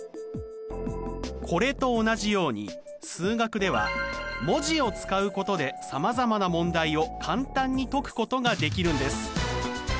これと同じように数学では文字を使うことでさまざまな問題を簡単に解くことができるんです。